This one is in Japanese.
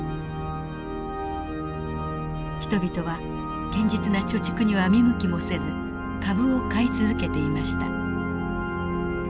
人々は堅実な貯蓄には見向きもせず株を買い続けていました。